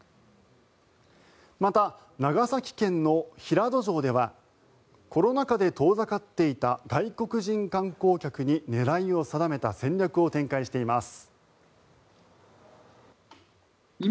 また、長崎県の平戸城ではコロナ禍で遠ざかっていた外国人観光客に狙いを定めた戦略を展開しています。